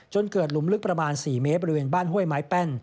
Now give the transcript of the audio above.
จนเกิดหลุมลึกประมาณ๔เมตรบริเวณบ้านห้วยไม้แป้น